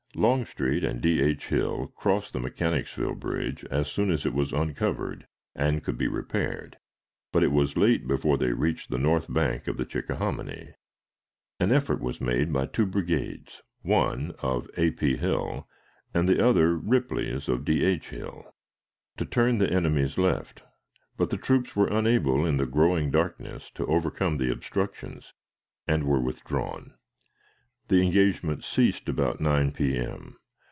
Longstreet and D. H. Hill crossed the Mechanicsville Bridge as soon as it was uncovered and could be repaired, but it was late before they reached the north bank of the Chickahominy. An effort was made by two brigades, one of A. P. Hill and the other Ripley's of D. H. Hill, to turn the enemy's left, but the troops were unable in the growing darkness to overcome the obstructions, and were withdrawn. The engagement ceased about 9 P.M.